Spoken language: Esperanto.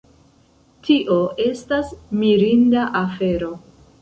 Tio estas mirinda afero